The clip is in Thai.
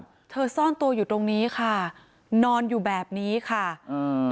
เธอซ่อนตัวอยู่ตรงนี้ค่ะนอนอยู่แบบนี้ค่ะอืม